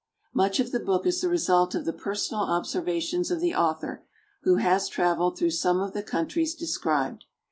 Much of the book is the result of the personal observa tions of the author, who has traveled through some of the countries described.